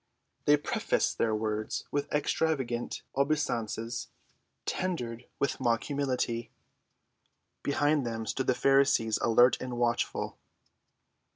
They prefaced their words with extravagant obeisances, tendered with mock humility. Behind them stood the Pharisees alert and watchful.